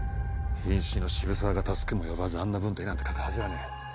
瀕死の澁澤が助けも呼ばずあんな文と絵なんて書くはずがねえ。